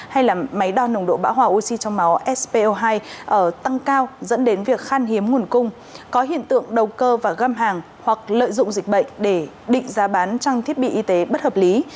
hay là máy đo nồng độ bão hòa oxy trong máu spo hai tăng cao dẫn đến việc khan hiếm nguồn cung có hiện tượng đầu cơ và găm hàng hoặc lợi dụng dịch bệnh để định giá bán trang thiết bị y tế bất hợp lý